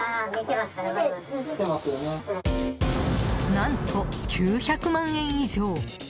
何と、９００万円以上。